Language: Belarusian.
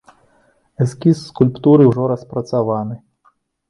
Эскіз скульптуры ўжо распрацаваны.